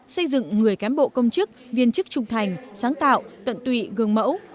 xây dựng người cán bộ công chức viên chức trung thành sáng tạo tận tụy gương mẫu